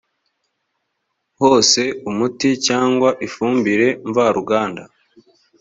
hose umuti cyangwa ifumbire mvaruganda